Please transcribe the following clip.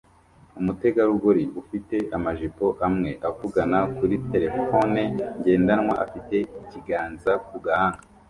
Umutegarugori ufite amajipo amwe avugana kuri terefone ngendanwa afite ikiganza ku gahanga